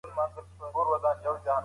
د شخصي وسایلو شریکول ناروغي خپروي.